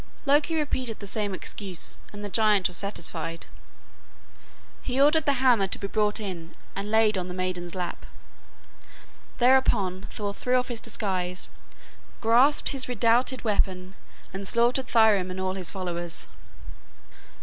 Loki repeated the same excuse and the giant was satisfied. He ordered the hammer to be brought in and laid on the maiden's lap. Thereupon Thor threw off his disguise, grasped his redoubted weapon, and slaughtered Thrym and all his followers.